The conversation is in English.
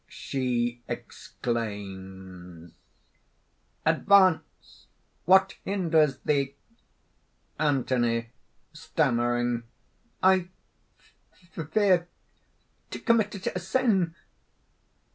_ She exclaims): "Advance! What hinders thee?" ANTHONY (stammering): "I fear ... to commit a sin!"